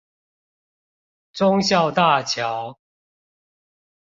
忠孝大橋